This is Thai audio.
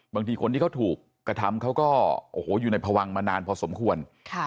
บางทีคนที่เขาถูกกระทำเขาก็โอ้โหอยู่ในพวังมานานพอสมควร